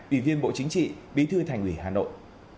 ủy viên bộ chính trị bí thư thành ủy hà nội